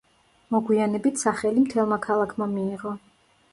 მოგვიანებით სახელი მთელმა ქალაქმა მიიღო.